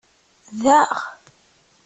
Daɣ?!